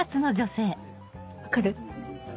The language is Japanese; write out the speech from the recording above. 分かる？